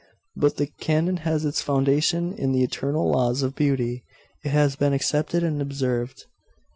'But the canon has its foundation in the eternal laws of beauty. It has been accepted and observed.